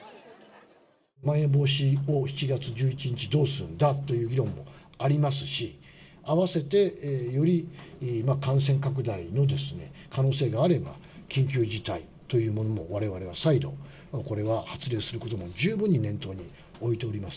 まん延防止を７月１１日にどうするんだっていう議論もありますし、併せてより感染拡大の可能性があれば、緊急事態というものも、われわれは再度、これは発令することも十分に念頭に置いております。